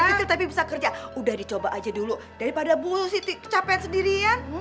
kecil tapi bisa kerja udah dicoba aja dulu daripada bulu siti kecapean sendirian